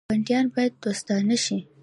ګاونډیان باید دوستان شي